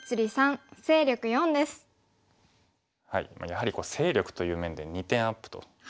やはり勢力という面で２点アップと。